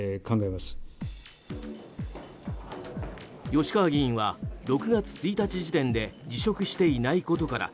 吉川議員は６月１日時点で辞職していないことから